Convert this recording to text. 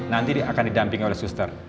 nanti akan didampingi oleh suster